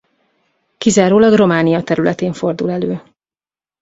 Kizárólag Románia területén fordul elő.